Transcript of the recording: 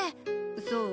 そう？